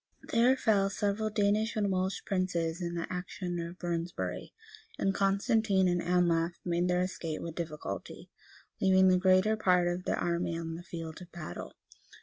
[*] There fell several Danish and Welsh princes in the action of Brunsbury;[] and Constantine and Anlaf made their escape with difficulty, leaving the greater part of their army on the field of battle.